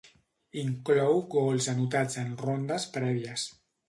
Inclou gols anotats en rondes prèvies.